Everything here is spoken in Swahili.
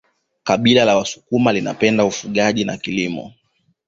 kabila la wasukuma linapenda ufugaji na kilimo